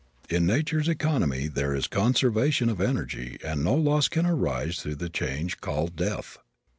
In nature's economy there is conservation of energy and no loss can arise through the change called death.